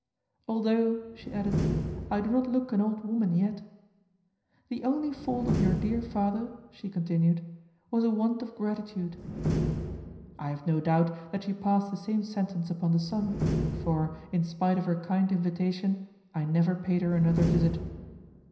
"Although," she added, "I do not look an old woman yet." "The only fault of your dear father," she continued, "was a want of gratitude." I have no doubt that she passed the same sentence upon the son, for, in spite of her kind invitation, I never paid her another visit.